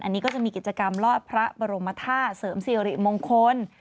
อันนี้ก็จะมีกิจกรรมลอดพระบรมธาตุเสริมสิริมงคล